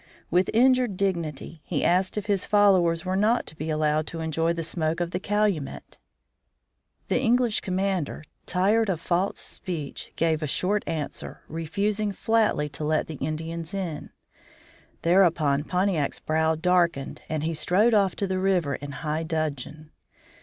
With injured dignity he asked if his followers were not to be allowed to enjoy the smoke of the calumet. The English commander, tired of false speech, gave a short answer, refusing flatly to let the Indians in. Thereupon Pontiac's brow darkened and he strode off to the river in high dudgeon.